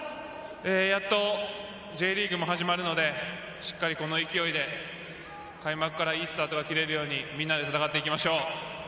やっとＪリーグが始まるので、しっかりこの勢いで開幕からいいスタートがきれるように、みんなで戦っていきましょう。